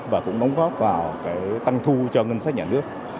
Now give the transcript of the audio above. và cũng đóng góp vào tăng thu cho ngân sách nhà nước